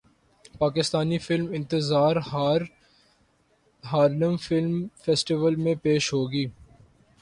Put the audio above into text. Pakistani film انتظار Harlem film festival میں پیش ہوگی